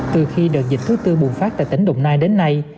từ khi đợt dịch thứ tư bùng phát tại tỉnh đồng nai đến nay